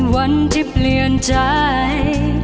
วันที่เปลี่ยนใจ